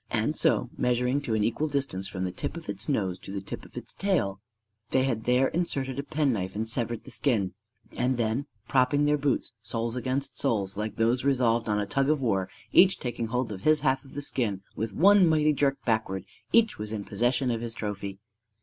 And so, measuring to an equal distance from the tip of its nose and the tip of its tail, they had there inserted a penknife and severed the skin; and then, propping their boots, soles against soles, like those resolved on a tug of war, and each taking hold of his half of the skin, with one mighty jerk backwards each was in possession of his trophy!